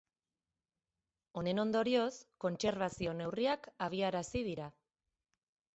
Honen ondorioz, kontserbazio-neurriak abiarazi dira.